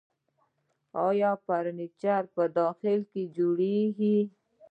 آیا فرنیچر په داخل کې جوړیږي؟